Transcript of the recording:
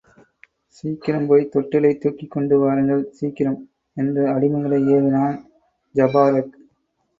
சீக்கிரம் போய்த் தொட்டிலைத் தூக்கிக்கொண்டு வாருங்கள், சீக்கிரம்! என்று அடிமைகளை ஏவினான் ஜபாரக்.